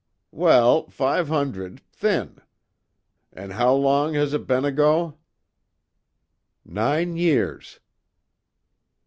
"Well foive hundred, thin. An' how long has ut be'n ago?" "Nine years."